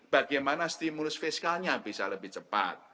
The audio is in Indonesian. bagaimana stimulus fiskalnya bisa lebih cepat